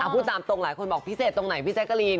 พูดตามตรงหลายคนบอกพิเศษตรงไหนพี่แจ๊กกะรีน